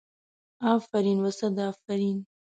افرین و صد افرین.